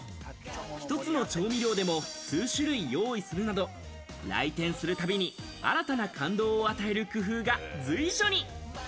１つの調味料でも数種類、用意するなど来店するたびに新たな感動を与える工夫が随所に。